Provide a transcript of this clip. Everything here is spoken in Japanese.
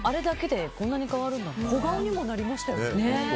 小顔にもなりましたよね。